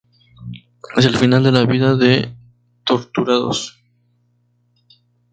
Hacia el final de la vida de y torturados.